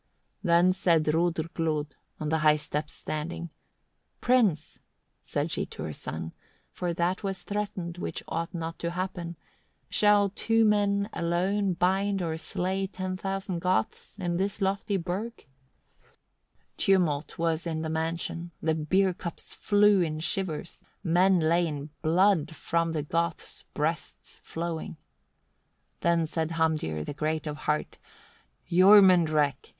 23. Then said Hrodrglod, on the high steps standing; "Prince" said she to her son for that was threatened which ought not to happen "shall two men alone bind or slay ten hundred Goths in this lofty burgh?" 24. Tumult was in the mansion, the beer cups flew in shivers, men lay in blood from the Goths' breasts flowing. 25. Then said Hamdir, the great of heart: "Jormunrek!